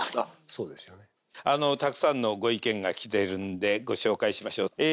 たくさんのご意見が来てるんでご紹介しましょう。